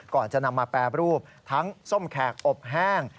ก่อนจะนำมาแปรรูปทั้งส้มแขกอบแห้ง